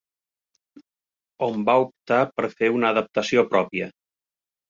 Hom va optar per fer una adaptació pròpia.